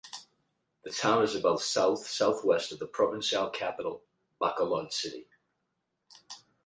The town is about south-south-west of the Provincial Capitol, Bacolod City.